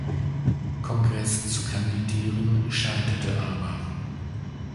Kongress zu kandidieren, scheiterte aber.